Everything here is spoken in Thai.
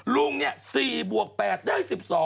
ลุงเนี่ย๔บวก๘ได้๑๒